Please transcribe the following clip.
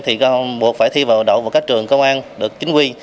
trường công an thì buộc phải thi vào đội và các trường công an được chính quy